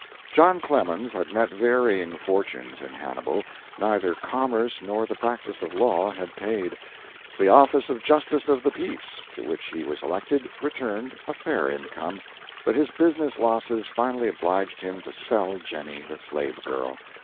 John Clemens had met varying fortunes in Hannibal. Neither commerce nor the practice of law had paid. The office of justice of the peace, to which he was elected, returned a fair income, but his business losses finally obliged him to sell Jennie, the slave girl.